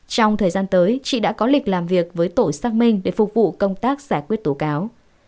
trong thời gian tới chị đã có lịch làm việc với tổ xác minh để phục vụ công tác giải quyết tố cáo